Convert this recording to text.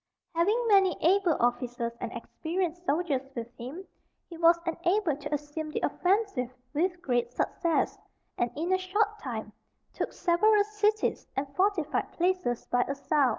Having many able officers and experienced soldiers with him, he was enabled to assume the offensive with great success, and in a short time took several cities and fortified places by assault.